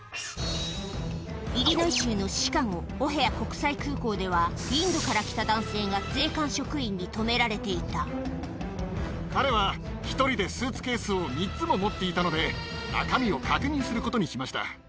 イリノイ州のシカゴ・オヘア国際空港では、インドから来た男性が、彼は１人でスーツケースを３つも持っていたので、中身を確認することにしました。